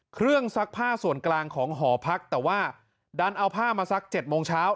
ซักผ้าส่วนกลางของหอพักแต่ว่าดันเอาผ้ามาสัก๗โมงเช้า